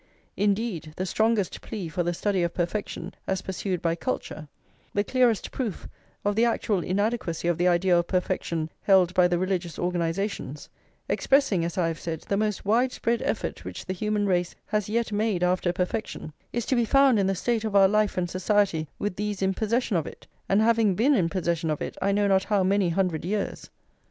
Indeed, the strongest plea for the study of perfection as pursued by culture, the clearest proof of the actual inadequacy of the idea of perfection held by the religious organisations, expressing, as I have said, the most wide spread effort which the human race has yet made after perfection, is to be found in the state of our life and society with these in possession of it, and having been in possession of it I know not how many hundred years.